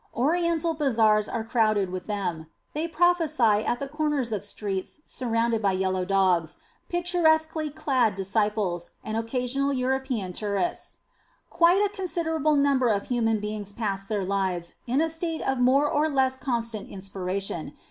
Oriental bazaars are crowded with them ; they prophesy at the corners of streets surrounded by yellow dogs, picturesquely clad disciples, and occasional European tourists. Quite a considerable number of human beings pass their lives in a state of more or less constant inspira tion.